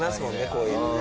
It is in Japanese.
こういうのね。